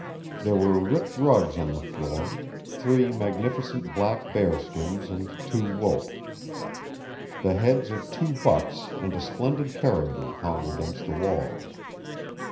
There were rich rugs on the floor three magnificent black bearskins, and two wolf. The heads of two bucks and a splendid caribou hung against the walls.